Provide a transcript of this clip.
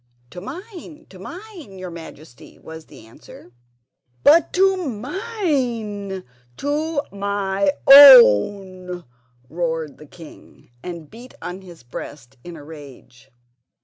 "To mine, to mine, your Majesty," was the answer. "But to mine—to my own," roared the king, and beat on his breast in a rage.